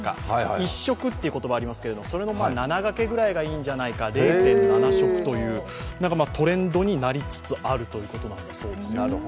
１食という言葉がありますけれども、それの７掛けぐらい、０．７食というトレンドになりつつあるということだそうです。